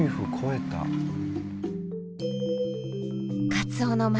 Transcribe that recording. カツオの町